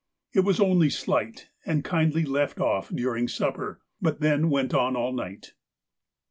It was only slight, and kindly left off during supper, but then went on all night.